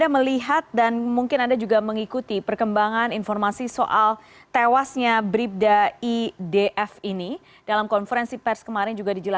selamat sore mbak kri